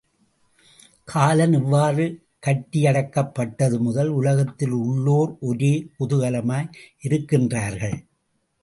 காலன் இவ்வாறு கட்டியடக்கப் பட்டது முதல் உலகிலுள்ளோர் ஒரே குதுகலமாய் இருக்கின்றார்கள்.